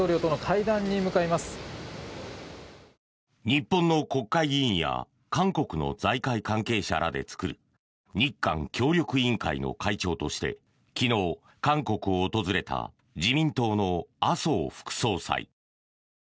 日本の国会議員や韓国の財界関係者らで作る日韓協力委員会の会長として昨日、韓国を訪れた自民党の麻生副総裁。